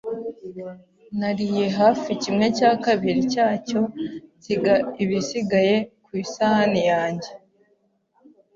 Nariye hafi kimwe cya kabiri cyacyo nsiga ibisigaye ku isahani yanjye.